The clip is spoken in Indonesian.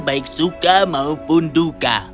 baik suka maupun duka